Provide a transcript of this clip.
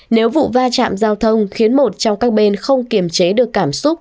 nếu vụ va chạm giao thông khiến một trong các bên không kiềm chế được cảm xúc